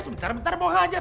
sebentar bentar mau hajar